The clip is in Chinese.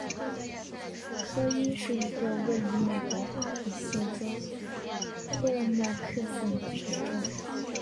科伊是一个位于美国阿肯色州洛诺克县的城镇。